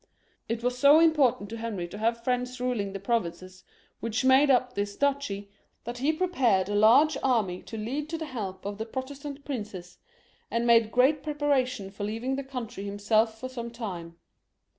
It was so important to Henry to have friends ruling the provinces which made up this duchy, that he prepared a large army to lead to the help of the Protestant princes, and made great preparations for leaving the country himself for some time.